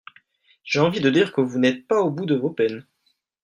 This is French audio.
J’ai envie de dire que vous n’êtes pas au bout de vos peines.